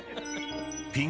ピン